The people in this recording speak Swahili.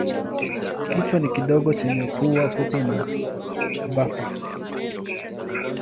Kichwa ni kidogo chenye pua fupi na bapa.